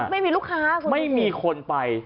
ไม่มีลูกค้าไม่มีคนไป